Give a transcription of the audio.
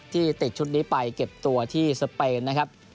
ที่ติดชุดนี้ไปเก็บตัวที่สเปนนะครับ